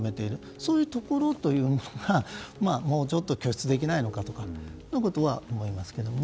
そういうところがもうちょっと拠出できないのかと思いますけどね。